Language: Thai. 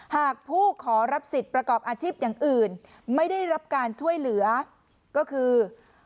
หากผู้ขอรับสิทธิ์ประกอบอาชีพอย่างอื่นไม่ได้รับการช่วยเหลือก็คือ